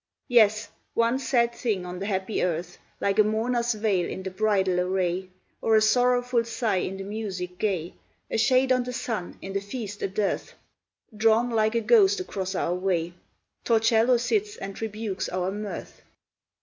Yes! one sad thing on the happy earth! Like a mourner's veil in the bridal array, Or a sorrowful sigh in the music gay, A shade on the sun, in the feast a dearth, Drawn like a ghost across our way, Torcello sits and rebukes our mirth.